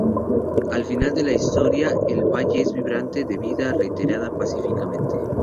Al final de la historia, el valle es vibrante de vida, reiterada pacíficamente.